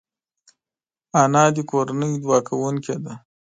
انا د کورنۍ دعا کوونکې ده